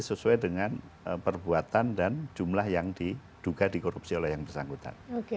sesuai dengan perbuatan dan jumlah yang diduga dikorupsi oleh yang bersangkutan